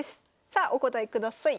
さあお答えください。